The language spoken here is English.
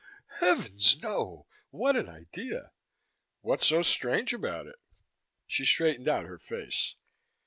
"Heavens, no. What an idea!" "What's so strange about it?" She straightened out her face.